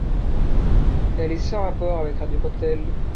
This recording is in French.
Elle est sans rapport avec Radio Cocktail.